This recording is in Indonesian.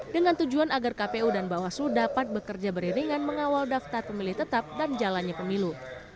dengan tujuan agar kpu dan bawaslu dapat bekerja beriringan mengawal daftar pemilih tetap dan jalannya pemilu